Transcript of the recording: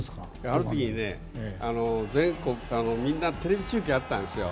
あの時、みんなテレビ中継があったんですよ。